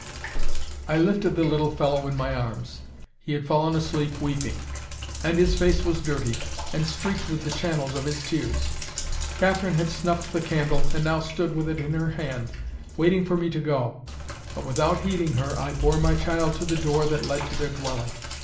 I lifted the little fellow in my arms. He had fallen asleep weeping, and his face was dirty, and streaked with the channels of his tears. Catherine had snuffed the candle, and now stood with it in her hand, waiting for me to go. But, without heeding her, I bore my child to the door that led to their dwelling.